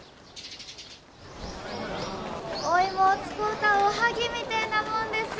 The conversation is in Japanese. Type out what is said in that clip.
お芋を使うたおはぎみてえなもんです。